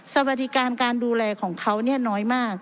สวัสดีการการดูแลของเขาน้อยมาก